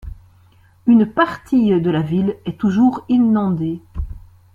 Une partie de la ville est toujours inondée.